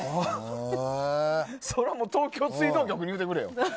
それは東京水道局に言うてくれよ。